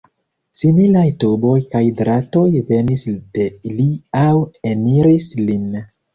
Similaj tuboj kaj dratoj venis de li aŭ eniris lin.